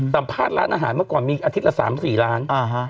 สัมภาษณ์ร้านอาหารเมื่อก่อนมีอาทิตย์ละ๓๔ล้าน